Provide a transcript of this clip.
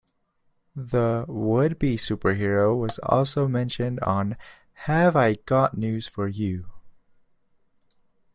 The would-be-superhero was also mentioned on "Have I Got News For You".